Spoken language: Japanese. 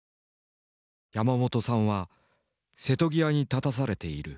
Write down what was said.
「山本さんは瀬戸際に立たされている。